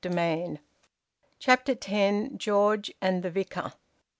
VOLUME FOUR, CHAPTER TEN. GEORGE AND THE VICAR.